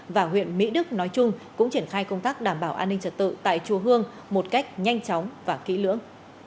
và huyện mỹ đức nói chung cũng triển khai công tác đảm bảo an ninh trật tự tại chùa hương một cách nhanh chóng và kỹ lưỡng